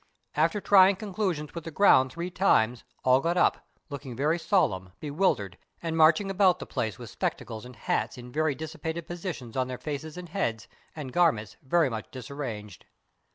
After trying conclu sions with the ground three times all got up, looking very solemn, bewildered, and marching about the place with spectacles and hats in very dissipated positions on their faces and heads, and garments very much disarranged.